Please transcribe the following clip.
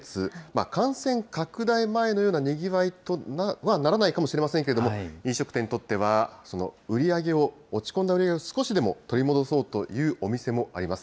感染拡大前のようなにぎわいとはならないかもしれないですけれども、飲食店にとっては、落ち込んだ売り上げを少しでも取り戻そうというお店もあります。